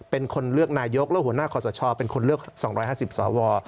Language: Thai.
เป็นคนเลือกนายกแล้วหัวหน้าขอสชเป็นคนเลือก๒๕๐สว